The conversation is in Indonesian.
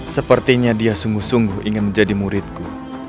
sepertinya dia sungguh sungguh ingin menjadi muridku